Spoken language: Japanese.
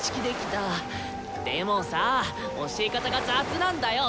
でもさぁ教え方が雑なんだよ！